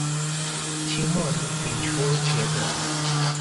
清末民初学者。